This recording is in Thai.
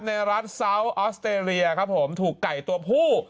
รัฐซาวออสเตรเลียครับผมถูกไก่ตัวผู้